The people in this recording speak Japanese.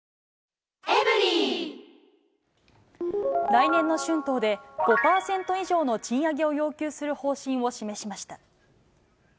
来年の春闘で、５％以上の賃上げを要求する方針を示しました。